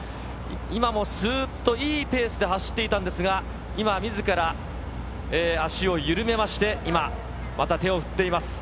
今もすーっといいペースで走っていたんですが、今、みずから足を緩めまして、今、また手を振っています。